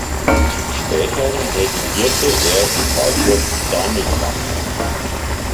Später redigierte er die Zeitschrift "Danica".